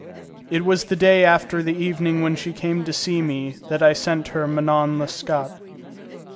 It was the day after the evening when she came to see me that I sent her Manon Lescaut.